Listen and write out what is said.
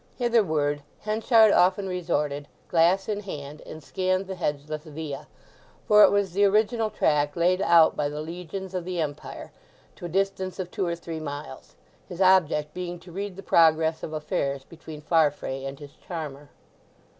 Hitherward Henchard often resorted, glass in hand, and scanned the hedgeless Via—for it was the original track laid out by the legions of the Empire—to a distance of two or three miles, his object being to read the progress of affairs between Farfrae and his charmer.